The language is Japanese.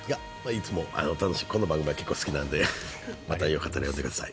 いつも楽しくこの番組は結構好きなんでまたよかったら呼んでください。